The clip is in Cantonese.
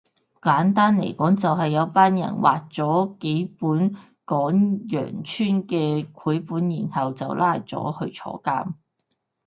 簡單嚟講就係有班人畫咗幾本講羊村嘅繪本然後就拉咗去坐監